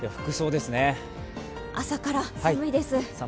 朝から寒いです。